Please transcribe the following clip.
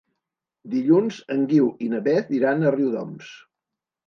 Dilluns en Guiu i na Beth iran a Riudoms.